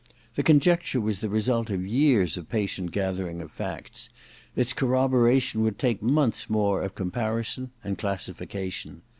The conjecture was the result of years of patient gathering of facts : its corroboration would take months more of comparison and classification.